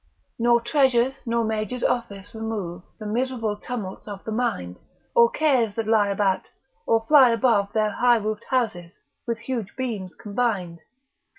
Nor treasures, nor majors officers remove The miserable tumults of the mind: Or cares that lie about, or fly above Their high roofed houses, with huge beams combin'd.